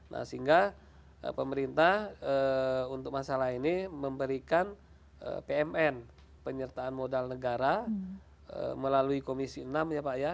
nah sehingga pemerintah untuk masalah ini memberikan pmn penyertaan modal negara melalui komisi enam ya pak ya